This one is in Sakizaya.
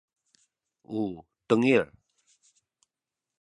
u tengil